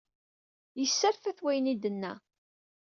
Yesserfa-t wayen ay d-tenna.